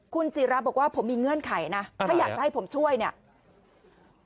คุณศิราบอกว่าผมมีเงื่อนไขนะถ้าอยากจะให้ผมช่วยเนี่ย